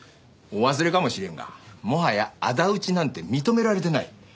お忘れかもしれんがもはや仇討ちなんて認められてない。